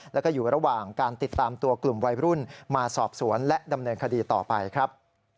แล้วก็อยู่ระหว่างการติดตามตัวกลุ่มวัยรุ่นมาสอบสวนและดำเนินคดีต่อไปครับ